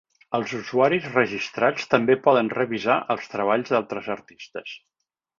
Els usuaris registrats també poden revisar els treballs d'altres artistes.